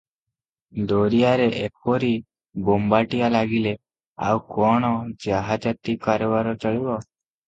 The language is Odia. ଦରିଆରେ ଏପରି ବୋମ୍ବାଟିଆ ଲାଗିଲେ ଆଉ କଣ ଜାହାଜାତି କାରବାର ଚଳିବ?